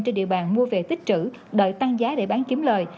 trên địa bàn mua về tích trữ đợi tăng giá để bán kiếm lời